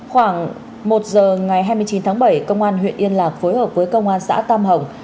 khoảng một giờ ngày hai mươi chín tháng bảy công an huyện yên lạc phối hợp với công an xã tam hồng